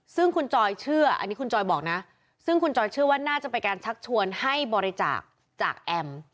ซึ่งคุณจอยเชื่ออันนี้คุณจอยบอกนะซึ่งคุณจอยเชื่อว่าน่าจะเป็นการชักชวนให้บริจาคจากแอม